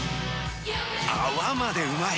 泡までうまい！